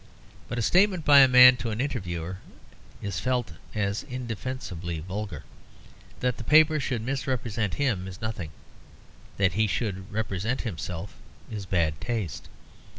But a statement by a man to an interviewer is felt as indefensibly vulgar. That the paper should misrepresent him is nothing; that he should represent himself is bad taste.